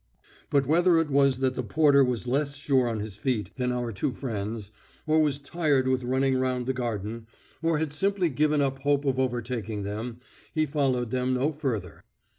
But whether it was that the porter was less sure on his feet than our two friends, or was tired with running round the garden, or had simply given up hope of overtaking them, he followed them no further.